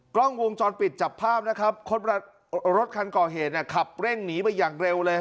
กล้องวงจรปิดจับภาพนะครับรถคันก่อเหตุเนี่ยขับเร่งหนีไปอย่างเร็วเลย